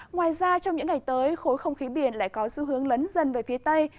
ngoài ra trong những ngày tới khối không khí biển lại có xu hướng lấn dần về phía tây